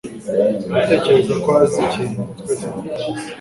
Ndatekereza ko azi ikintu twese tutazi.